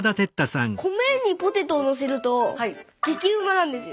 米にポテトをのせると激うまなんですよ。